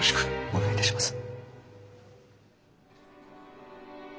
お願いいたします。